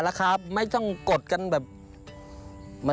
ราคาไม่ต้องกดกันแบบ